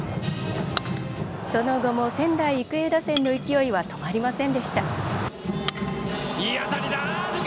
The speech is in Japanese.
その後も仙台育英打線の勢いは止まりませんでした。